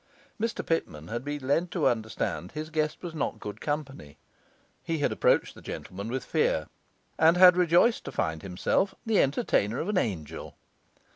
Mr Pitman had been led to understand his guest was not good company; he had approached the gentleman with fear, and had rejoiced to find himself the entertainer of an angel.